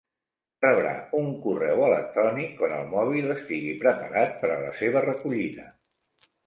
Rebrà un correu electrònic quan el mòbil estigui preparat per a la seva recollida.